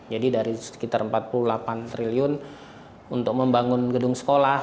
jadi dari sekitar rp empat puluh delapan triliun untuk membangun gedung sekolah